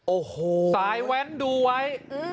โอ้โหสายแว้นดูไว้